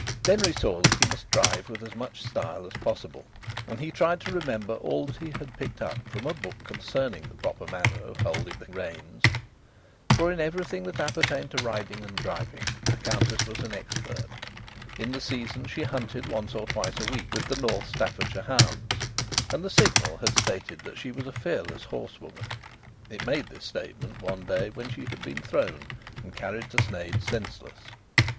Denry saw that he must drive with as much style as possible, and he tried to remember all that he had picked up from a book concerning the proper manner of holding the reins. For in everything that appertained to riding and driving the Countess was an expert. In the season she hunted once or twice a week with the North Staffordshire Hounds, and the Signal had stated that she was a fearless horsewoman. It made this statement one day when she had been thrown and carried to Sneyd senseless.